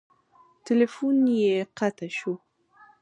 تیلفون یې قطع شو.